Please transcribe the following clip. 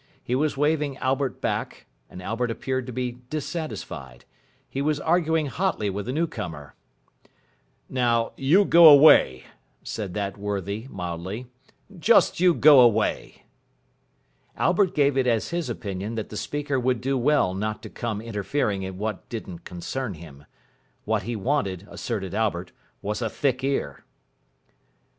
He was waving Albert back, and Albert appeared to be dissatisfied. He was arguing hotly with the newcomer. "Now, you go away," said that worthy, mildly, "just you go away." Albert gave it as his opinion that the speaker would do well not to come interfering in what didn't concern him. What he wanted, asserted Albert, was a thick ear.